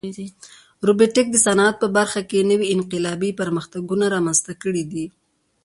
روبوټیکس د صنعت په برخه کې نوې انقلابي پرمختګونه رامنځته کړي دي.